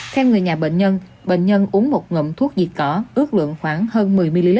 theo người nhà bệnh nhân bệnh nhân uống một ngậm thuốc diệt cỏ ước lượng khoảng hơn một mươi ml